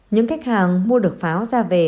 những khách hàng mua được pháo ra về